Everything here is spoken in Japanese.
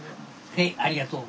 はいありがとう。